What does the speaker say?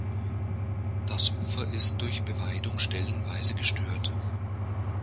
Das Ufer ist durch Beweidung stellenweise gestört.